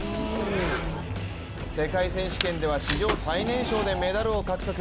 世界選手権では、史上最年少でメダルを獲得。